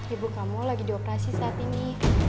ibu kamu lagi di operasi saat ini